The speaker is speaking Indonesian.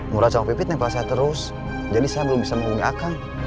murah cowok pipit nempel saya terus jadi saya belum bisa menghubungi akan